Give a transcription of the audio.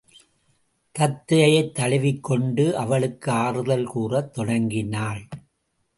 தத்தையைத் தழுவிக்கொண்டு அவளுக்கு ஆறுதல் கூறத் தொடங்கினாள்.